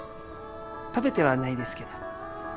食べてはないですけど。